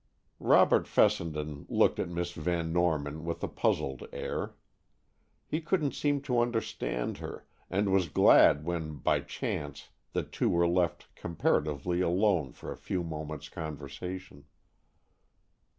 Robert Fessenden looked at Miss Van Norman with a puzzled air. He couldn't seem to understand her, and was glad when by chance the two were left comparatively alone for a few moments' conversation.